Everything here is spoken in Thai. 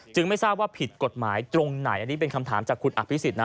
ไม่ทราบว่าผิดกฎหมายตรงไหนอันนี้เป็นคำถามจากคุณอภิษฎนะ